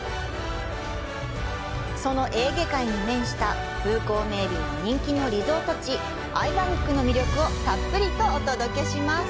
そのエーゲ海に面した風光明媚な人気のリゾート地アイヴァルックの魅力をたっぷりとお届けします。